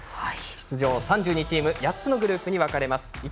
出場３２チーム８つのグループに分かれます。